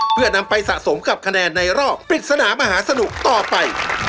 เพื่อนำไปสะสมกับคะแนนในรอบปริศนามหาสนุกต่อไป